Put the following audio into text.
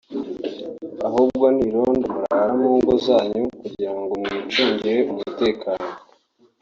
ahubwo n’irondo murara mu ngo zanyu kugira ngo mwicungire umutekano